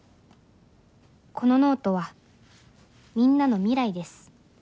このノートはみんなの未来です。